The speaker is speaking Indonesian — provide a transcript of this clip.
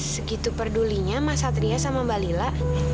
segitu pedulinya mas satria sama mbak lila